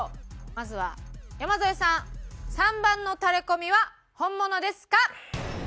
まずは山添さん３番のタレコミは本物ですか？